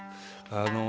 あの。